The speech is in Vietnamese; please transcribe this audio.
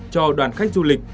cho đoàn khách du lịch